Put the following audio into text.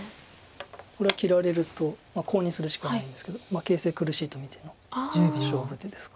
これは切られるとコウにするしかないんですけど形勢苦しいと見ての勝負手ですか。